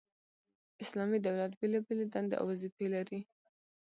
اسلامي دولت بيلابېلي دندي او وظيفي لري،